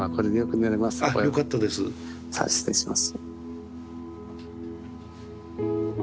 じゃあ失礼します。